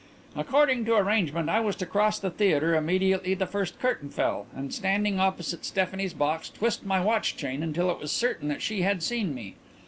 According to arrangement, I was to cross the theatre immediately the first curtain fell and standing opposite Stephanie's box twist my watch chain until it was certain that she had seen me.